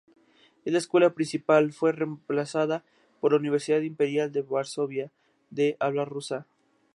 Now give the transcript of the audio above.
La Escuela Principal fue reemplazada por la Universidad Imperial de Varsovia, de habla rusa.